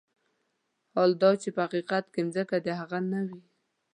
حال دا چې په حقيقت کې ځمکه د هغه نه وي.